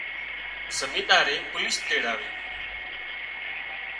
زميندائي پوليش تيڙاوي